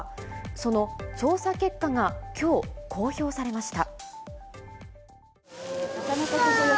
その調査結果がきょう、公表されました。